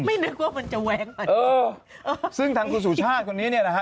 ไม่นึกว่ามันจะแว้งมันซึ่งทางสุชาติคนนี้นะฮะ